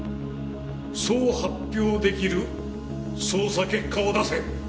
そう発表出来る捜査結果を出せ！